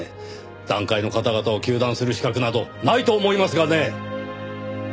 団塊の方々を糾弾する資格などないと思いますがね！